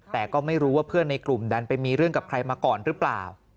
แต่ก็ไม่รู้ว่าเพื่อนในกลุ่มดันไปมีเรื่องกับใครมาก่อนหรือเปล่า